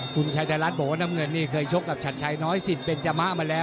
คุณชายไทยรัฐบอกว่าน้ำเงินนี่เคยชกกับชัดชัยน้อยสิทธิ์เป็นจมะมาแล้ว